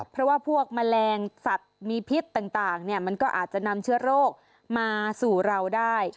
เพราะว่าพวกแมลงสัตว์มีพิษต่างมันก็อาจจะนำเชื้อโรคมาสู่เราได้